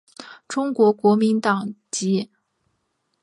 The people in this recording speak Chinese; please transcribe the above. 中国国民党籍。